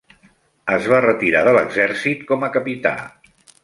Es va retirar de l'exèrcit com a capità.